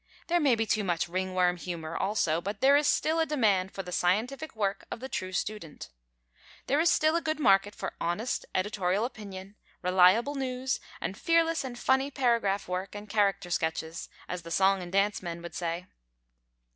There may be too much ringworm humor also, but there is still a demand for the scientific work of the true student. There is still a good market for honest editorial opinion, reliable news and fearless and funny paragraph work and character sketches, as the song and dance men would say.